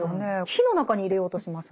火の中に入れようとしますね。